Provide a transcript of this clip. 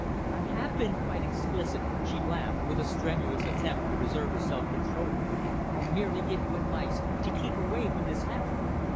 "I have been quite explicit," she laughed, with a strenuous attempt to preserve her self control. "I merely give you advice to keep away from this house."